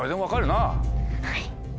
はい！